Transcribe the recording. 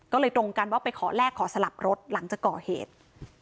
ก็เลยตรงกันว่าไปขอแลกขอสลับรถหลังจากก่อเหตุ